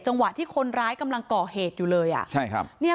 จังหวะที่คนร้ายกำลังก่อเหตุอยู่เลย